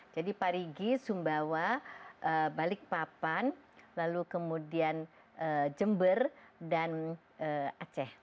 jadi parigi sumbawa balikpapan lalu kemudian jember dan aceh